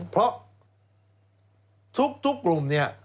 เพราะทุกกลุ่มเนี่ย